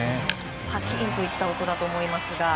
カキーンといった音だと思いますが。